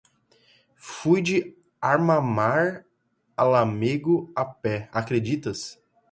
Fui de Armamar a Lamego a pé! Acreditas?